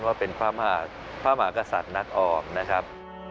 ว่าเป็นพระมหากษัตริย์นัดออกนะครับ